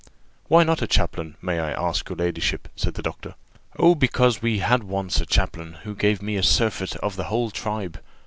"Why not a chaplain, may I ask your ladyship?" said the doctor. "Oh, because we had once a chaplain, who gave me a surfeit of the whole tribe.